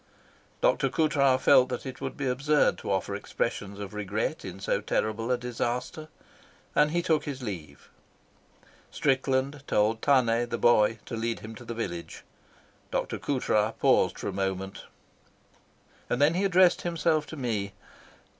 Dr. Coutras felt that it was absurd to offer expressions of regret in so terrible a disaster, and he took his leave. Strickland told Tane, the boy, to lead him to the village. Dr. Coutras paused for a moment, and then he addressed himself to me.